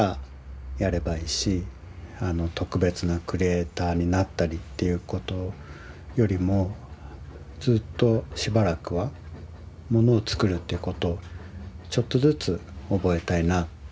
特別なクリエーターになったりっていうことよりもずっとしばらくはものを作るっていうことをちょっとずつ覚えたいな。